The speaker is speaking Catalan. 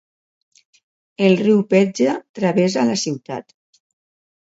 El riu Pedja travessa la ciutat.